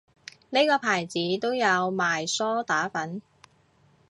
呢個牌子都有賣梳打粉